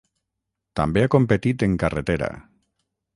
També ha competit en carretera.